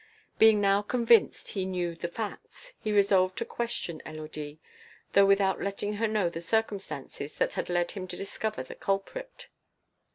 Being now convinced he knew the facts, he resolved to question Élodie, though without letting her know the circumstances that had led him to discover the culprit.